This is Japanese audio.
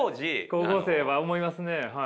高校生は思いますねはい。